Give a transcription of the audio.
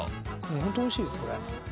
ホントおいしいですこれ。